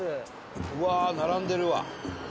うわー並んでるわ。